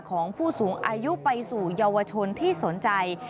ของผู้สูงอายุไปสู่เยาวชนที่สนใจ